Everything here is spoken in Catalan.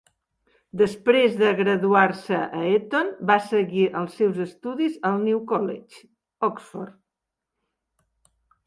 Després de graduar-se a Eton, va seguir els seus estudis al New College, Oxford.